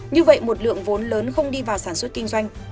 như vậy một lượng vốn lớn không đi vào sản xuất kinh doanh